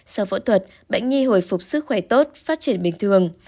sau phẫu thuật bệnh nhi hồi phục sức khỏe tốt phát triển bình thường